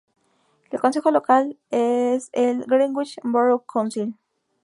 El consejo local es el Greenwich Borough Council.